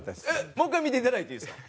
もう１回見ていただいていいですか？